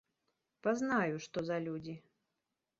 Пазнаю, што за людзі.